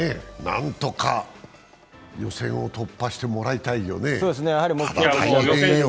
何とか予選を突破してもらいたいよね、ただ大変よ。